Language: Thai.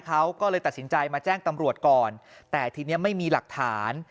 เขาก็เลยตัดสินใจมาแจ้งตำรวจก่อนแต่ทีนี้ไม่มีหลักฐาน